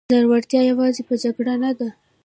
زړورتیا یوازې په جګړه نه ده.